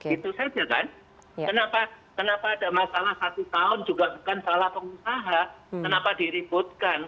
itu saja kan kenapa ada masalah satu tahun juga bukan salah pengusaha kenapa diributkan